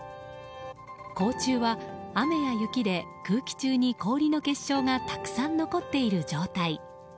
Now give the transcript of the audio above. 光柱は雨や雪で空気中に氷の結晶がたくさん残っている状態。